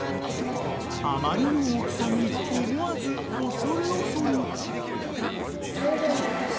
あまりの大きさに思わず恐る恐る。